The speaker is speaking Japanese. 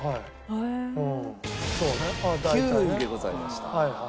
９位でございました。